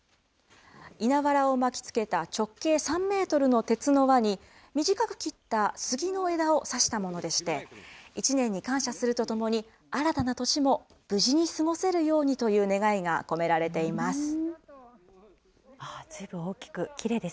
稲わらを巻きつけた直径３メートルの鉄の輪に、短く切った杉の枝を差したものでして、１年に感謝するとともに、新たな年も無事に過ごせるようにという願いが込められています。